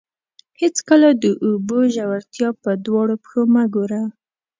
هېڅکله د اوبو ژورتیا په دواړو پښو مه ګوره.